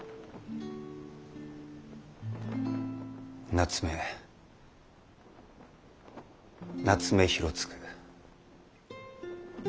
夏目夏目広次。